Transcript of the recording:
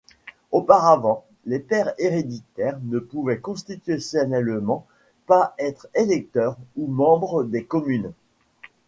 Auparavant, les pairs héréditaires ne pouvaient constitutionnellement pas être électeurs ou membres des Communes.